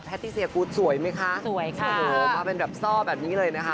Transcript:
ติเซียกูธสวยไหมคะสวยค่ะโอ้โหมาเป็นแบบซ่อแบบนี้เลยนะคะ